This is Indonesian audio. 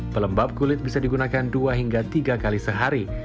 pelembab kulit bisa digunakan dua hingga tiga kali sehari